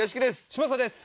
嶋佐です。